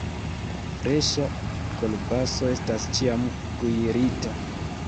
Freŝa kolbaso estas ĉiam kuirita.